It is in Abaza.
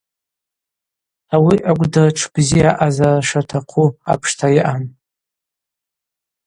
Ауи акӏвдыртш бзи аъазара шатахъу апшта йаъан.